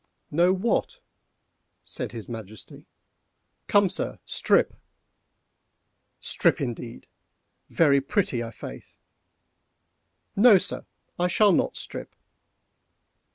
"No what?" said his majesty—"come, sir, strip!" "Strip, indeed! very pretty i' faith! no, sir, I shall not strip.